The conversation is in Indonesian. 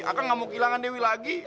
akang gak mau kehilangan dewi lagi